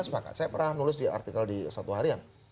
saya pernah nulis di artikel di satu harian